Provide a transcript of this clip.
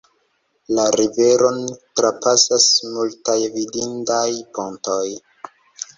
La riveron trapasas multaj vidindaj pontoj.